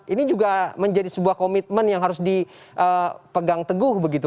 ini juga menjadi sebuah komitmen yang harus dipegang teguh begitu